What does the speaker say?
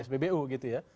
spbu gitu ya